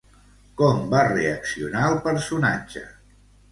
Com va reaccionar el personatge?